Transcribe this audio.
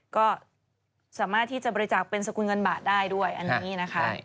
ก็สามารถที่จะบริจาคเป็นสกุลเงินบาทได้ด้วยอันนี้นะคะ